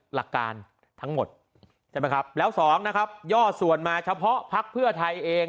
หลักการทั้งหมดใช่ไหมครับแล้วสองนะครับย่อส่วนมาเฉพาะพักเพื่อไทยเอง